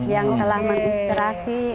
yang telah menginspirasi